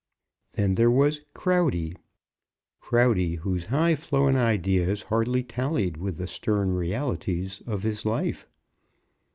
Then there was Crowdy, Crowdy, whose high flown ideas hardly tallied with the stern realities of his life.